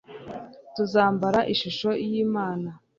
tuzambara ishusho y'imana